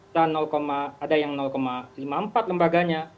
dan ada yang lima puluh empat lembaganya